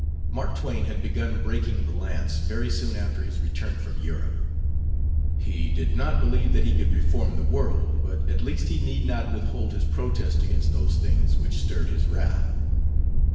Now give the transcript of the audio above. Mark Twain had begun "breaking the lance" very soon after his return from Europe. He did not believe that he could reform the world, but at least he need not withhold his protest against those things which stirred his wrath.